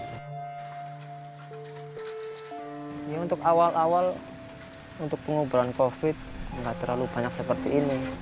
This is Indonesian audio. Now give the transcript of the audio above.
ya untuk awal awal untuk penguburan covid nggak terlalu banyak seperti ini